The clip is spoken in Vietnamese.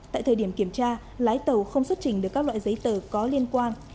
tại thời điểm kiểm tra lái tàu không xuất trình được các loại giấy tờ có liên quan